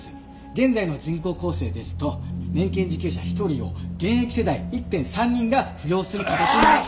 現在の人口構成ですと年金受給者１人を現役世代１．３人が扶養する形になります。